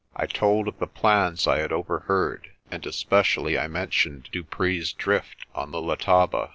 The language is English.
I told of the plans I had overheard, and especially I mentioned Dupree's Drift on the Letaba.